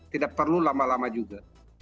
tidak perlu lama lama juga